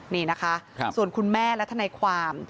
นี่นะคะส่วนคุณแม่และทนายความ